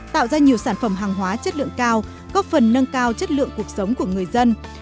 tạo ra nhiều sản phẩm hàng hóa chất lượng cao góp phần nâng cao chất lượng cuộc sống của người dân